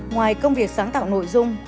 ngoài công việc sáng tạo nội dung